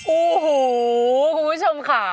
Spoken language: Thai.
โอ้โหคุณผู้ชมค่ะ